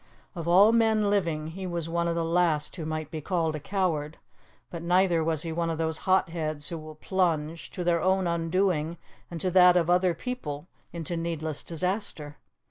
Of all men living he was one of the last who might be called a coward, but neither was he one of those hot heads who will plunge, to their own undoing and to that of other people, into needless disaster.